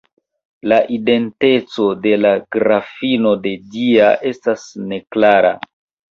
La identeco de la Grafino de Dia estas neklara.